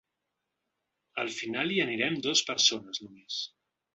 Al final hi anirem dos persones nomes.